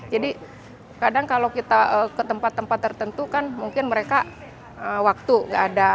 jadi kadang kalau kita ke tempat tempat tertentu kan mungkin mereka waktu tidak ada